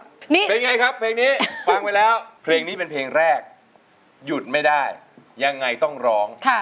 เป็นไงครับเพลงนี้ฟังไปแล้วเพลงนี้เป็นเพลงแรกหยุดไม่ได้ยังไงต้องร้อง